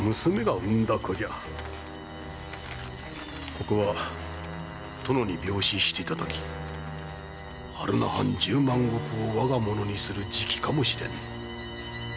ここは殿に病死していただき榛名藩十万石を我がものにする時期かもしれん。